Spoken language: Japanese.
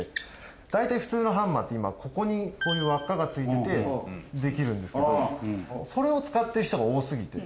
大体普通のハンマーって今ここにこういう輪っかがついててできるんですけどそれを使ってる人が多すぎて。